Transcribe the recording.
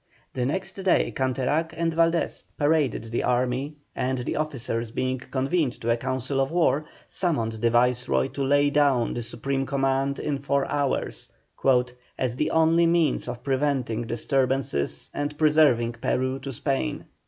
The next day Canterac and Valdés paraded the army, and the officers being convened to a council of war, summoned the Viceroy to lay down the supreme command in four hours, "as the only means of preventing disturbances and preserving Peru to Spain."